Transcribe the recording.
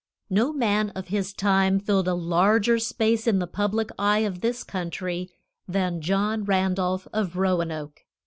NO man of his time filled a larger space in the public eye of this country than John Randolph of Roanoke.